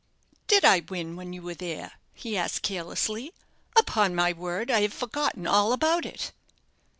"Did I win when you were there?" he asked, carelessly. "Upon my word, I have forgotten all about it."